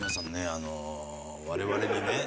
あの我々にね。